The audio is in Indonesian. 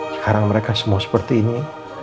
sekarang mereka semua seperti ini